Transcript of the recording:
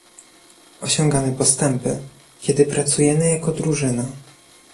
Osiągamy postępy, kiedy pracujemy jako drużyna